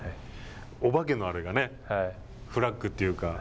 おばけのあれがねフラッグというか。